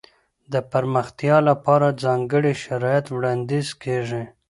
د پرمختیا لپاره ځانګړي شرایط وړاندې کیږي.